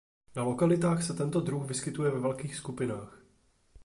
Na lokalitách se tento druh vyskytuje ve velkých skupinách.